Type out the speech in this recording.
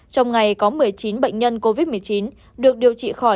trong ngày có một mươi chín bệnh nhân covid một mươi chín được điều trị khỏi